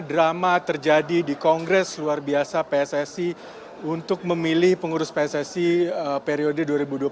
drama terjadi di kongres luar biasa pssi untuk memilih pengurus pssi periode dua ribu dua puluh tiga dua ribu dua puluh tujuh